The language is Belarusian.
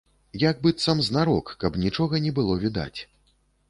Як быццам знарок, каб нічога не было відаць.